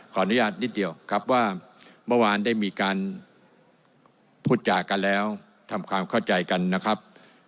อนุญาตนิดเดียวครับว่าเมื่อวานได้มีการพูดจากันแล้วทำความเข้าใจกันนะครับ